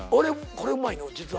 これうまいの実は。